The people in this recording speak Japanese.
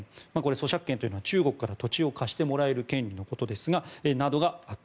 租借権というのは中国から土地を貸してもらえる権利ですが、これなどがあった。